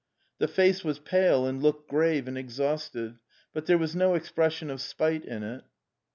The face was pale and looked grave and ex hausted, but there was no expression of spite in it.